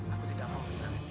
aku tidak mau hilangin dia